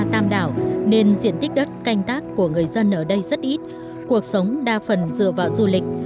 trên diện tích đất canh tác của người dân ở đây rất ít cuộc sống đa phần dựa vào du lịch